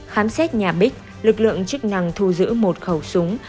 khám xét nhà bích lực lượng chức năng thu giữ một khẩu súng